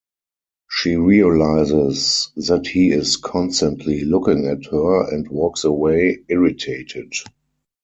She realizes that he is constantly looking at her and walks away, irritated.